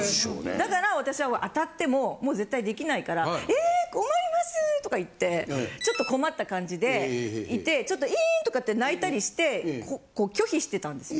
だから私は当たってももう絶対できないからえ困りますとか言ってちょっと困った感じでいてちょっとえんとかって泣いたりして拒否してたんです。